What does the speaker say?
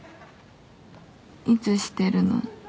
いつしてるの？